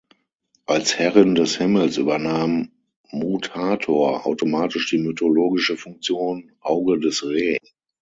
Als „Herrin des Himmels“ übernahm „Mut-Hathor“ automatisch die mythologische Funktion „Auge des Re“.